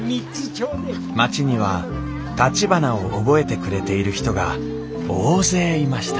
町にはたちばなを覚えてくれている人が大勢いました